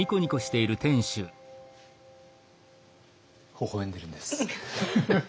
ほほ笑んでるんです。